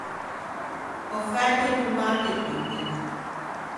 Ò fæto e tomate piñe.